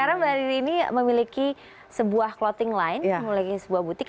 karena mbak riri ini memiliki sebuah clothing line memiliki sebuah butik